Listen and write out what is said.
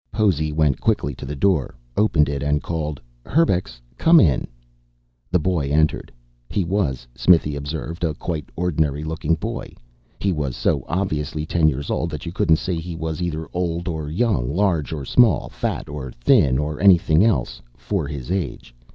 Possy went quickly to the door, opened it and called, "Herbux, come in." The boy entered. He was, Smithy observed, a quite ordinary looking boy. He was so obviously ten years old that you couldn't say he was either old or young, large or small, fat or thin or anything else, "for his age."